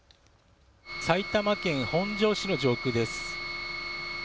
埼玉県本庄市の上空です。